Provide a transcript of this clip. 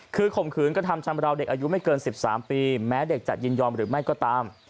คือข่มขืนกระทำชำราวเด็กอายุไม่เกิน๑๓ปีแม้เด็กจะยินยอมหรือไม่ก็ตาม